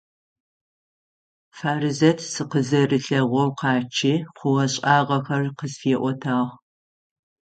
Фаризэт сыкъызэрилъэгъоу къачъи, хъугъэ-шӀагъэхэр къысфиӀотагъ.